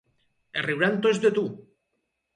Es riuran tots de tu!